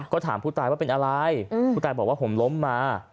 ก็ถามผู้ตายว่าเป็นอะไรผู้ตายบอกว่าผมล้มมา